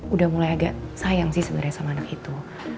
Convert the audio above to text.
udah mulai agak sayang sih sebenarnya sama anak itu